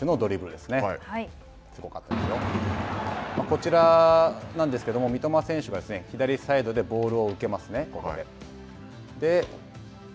こちら、なんですけれども三笘選手が左サイドでボールを受けますね、ここで。